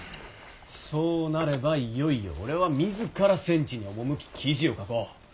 そうなればいよいよ俺は自ら戦地に赴き記事を書こう。